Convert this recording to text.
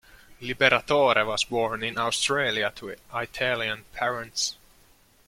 Liberatore was born in Australia to Italian parents.